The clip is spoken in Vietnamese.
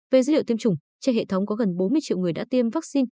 về dữ liệu tiêm chủng trên hệ thống có gần bốn mươi triệu người đã tiêm vaccine